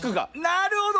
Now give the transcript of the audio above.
なるほど！